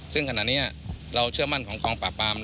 ซึ่งขณะนี้เราเชื่อมั่นของกองปราบปราม